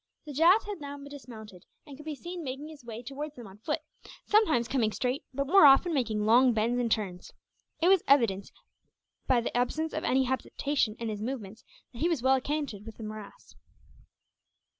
The Jat had now dismounted, and could be seen making his way towards them on foot; sometimes coming straight, but more often making long bends and turns. It was evident, by the absence of any hesitation in his movements, that he was well acquainted with the morass.